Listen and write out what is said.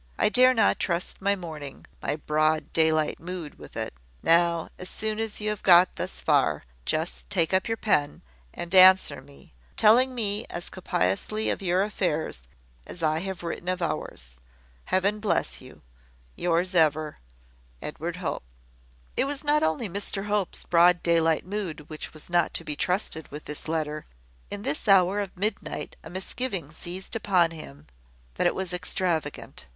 I dare not trust my morning my broad daylight mood with it. Now, as soon as you have got thus far, just take up your pen, and answer me, telling me as copiously of your affairs as I have written of ours. Heaven bless you. "Yours ever, "Edward Hope." It was not only Mr Hope's broad daylight mood which was not to be trusted with this letter. In this hour of midnight a misgiving seized upon him that it was extravagant.